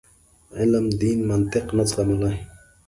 علم دین منطق نه زغملای.